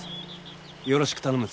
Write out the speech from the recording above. よろしく頼むぞ。